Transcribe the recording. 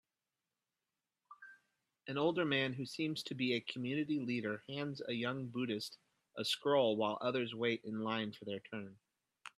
An older man who seems to be a community leader hands a young buddhist a scroll while others wait in line for their turn